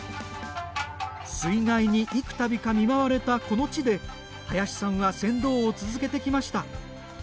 水害に幾たびか見舞われたこの地で、林さんは船頭を続けてきました。